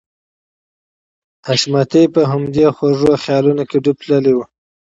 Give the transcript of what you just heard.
حشمتي په همدې خوږو خيالونو کې ډوب تللی و.